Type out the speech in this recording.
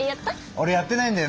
オレやってないんだよ。